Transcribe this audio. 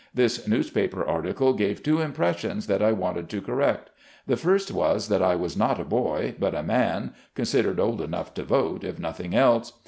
This newspaper article gave two impressions that I wanted to correct ; the first was, that I was not a boy, but a man, con sidered old enough to vote, if nothing else.